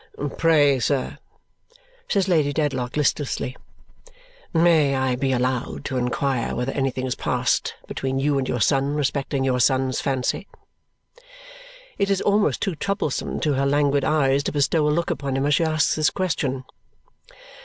"Pray, sir," says Lady Dedlock listlessly, "may I be allowed to inquire whether anything has passed between you and your son respecting your son's fancy?" It is almost too troublesome to her languid eyes to bestow a look upon him as she asks this question.